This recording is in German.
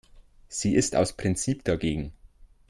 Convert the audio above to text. Sie ist aus Prinzip dagegen.